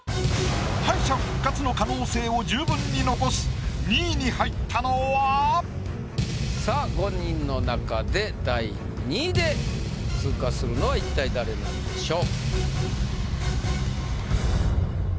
敗者復活の可能性を十分に残すさあ５人の中で第２位で通過するのは一体誰なんでしょう？